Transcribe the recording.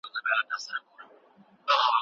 شاید نوې څېړنې د ټولنپوهنې په ډګر کې بدلون راولي.